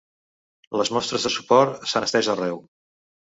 Les mostres de suport s’han estès arreu.